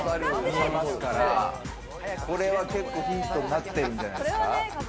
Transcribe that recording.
これは結構ヒントになってるんじゃないですか。